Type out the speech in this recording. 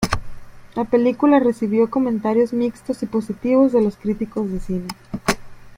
La película recibió comentarios mixtos y positivos de los críticos de cine.